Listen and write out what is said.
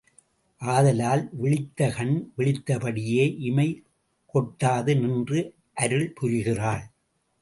ஆதலால் விழித்த கண் விழித்தபடியே இமை கொட்டாது நின்று அருள் புரிகிறாள்.